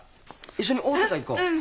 一緒に大阪行こう。